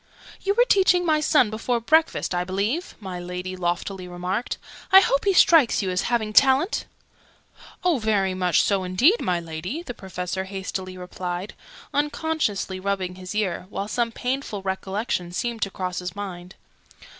"You were teaching my son before breakfast, I believe?" my Lady loftily remarked. "I hope he strikes you as having talent?" "Oh, very much so indeed, my Lady!" the Professor hastily replied, unconsciously rubbing his ear, while some painful recollection seemed to cross his mind.